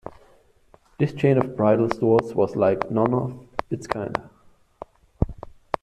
This chain of bridal stores was like none of its kind.